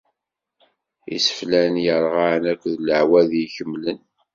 Iseflen yerɣan akked lewɛadi ikemlen.